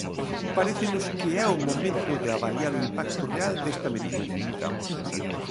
Parécenos que é o momento de avaliar o impacto real desta medida.